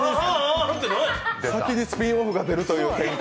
先にスピンオフが出るという展開。